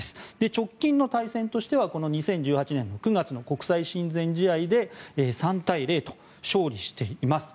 直近の対戦としては２０１８年９月の国際親善試合で３対０と勝利しています。